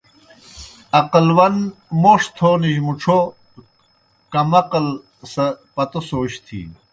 عقل ون موْݜ تھونِجیْ مُڇھو، کم عقل سہ پتو سوچ تِھینوْ